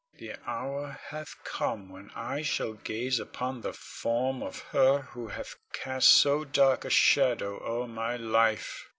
] Con. The hour hath come when I shall gaze upon the form of her who hath cast so dark a shadow o'er my life.